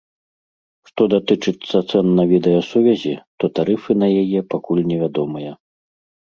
Што датычыцца цэн на відэасувязі, то тарыфы на яе пакуль невядомыя.